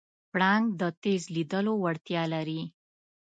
پړانګ د تېز لیدلو وړتیا لري.